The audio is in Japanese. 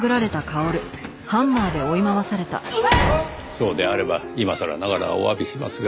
そうであれば今さらながらおわびしますが。